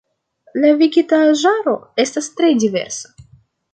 La vegetaĵaro estas tre diversa.